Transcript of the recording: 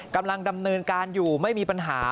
กำลังดำเนินการอยู่ไม่มีปัญหา